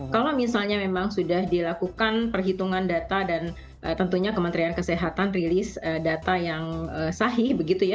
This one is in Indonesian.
kalau misalnya memang sudah dilakukan perhitungan data dan tentunya kementerian kesehatan rilis data yang sahih begitu ya